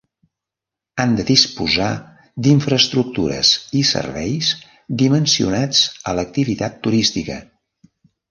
Han de disposar d'infraestructures i serveis dimensionats a l'activitat turística.